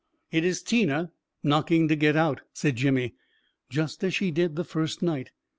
" It is Tina knocking to get out," said Jimmy, "just as she did the first night.